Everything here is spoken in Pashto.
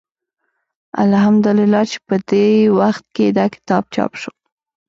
الحمد لله چې په دې وخت کې دا کتاب چاپ شو.